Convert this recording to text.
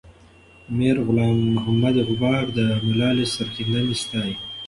میرغلام محمد غبار د ملالۍ سرښندنه ستايي.